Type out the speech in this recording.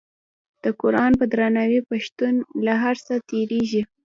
د قران په درناوي پښتون له هر څه تیریږي.